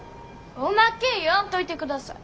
おまけ言わんといてください。